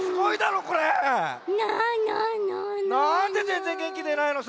なんでぜんぜんげんきでないのさ。